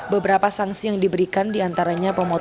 beberapa sanksi yang diberikan diantaranya pemotongan